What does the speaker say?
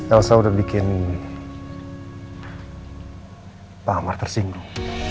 elsa sudah bikin pak amar tersinggung